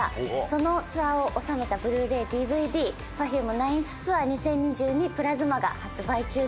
そのツアーを収めたＢｌｕ−ｒａｙＤＶＤ『Ｐｅｒｆｕｍｅ９ｔｈＴｏｕｒ２０２２“ＰＬＡＳＭＡ”』が発売中です。